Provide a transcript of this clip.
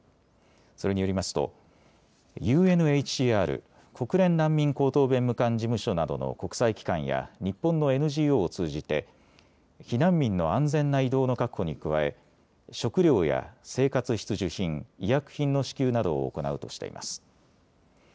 それによりますとＵＮＨＣＲ・国連難民高等弁務官事務所などの国際機関や日本のＮＧＯを通じて避難民の安全な移動の確保に加え食料や生活必需品、医薬品の支給などを行うとしています。